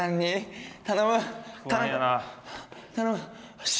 よし！